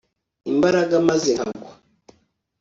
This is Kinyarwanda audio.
imbaraga maze nkagwa